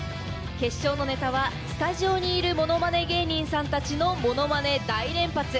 決勝のネタはスタジオにいるものまね芸人さんたちのものまね大連発。